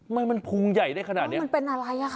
มันมันพุงใหญ่ได้ขนาดเนี้ยมันเป็นอะไรอ่ะค่ะ